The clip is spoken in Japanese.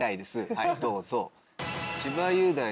はいどうぞ。